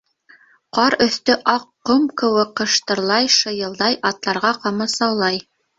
Ҡар өҫтө аҡ ҡом кеүек ҡыштырлай, шыйылдай, атларға ҡамасаулай.